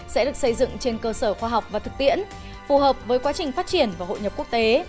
sẽ được xây dựng trên cơ sở khoa học và thực tiễn phù hợp với quá trình phát triển và hội nhập quốc tế